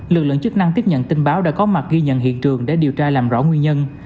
lực lượng chức năng tiếp nhận tin báo đã có mặt ghi nhận hiện trường để điều tra làm rõ nguyên nhân